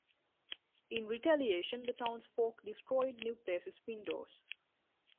In retaliation, the townsfolk destroyed New Place's windows.